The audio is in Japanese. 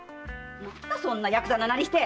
そんなヤクザな形して！